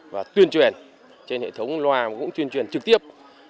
và tuyên truyền trên hệ thống loa cũng tuyên truyền trực tiếp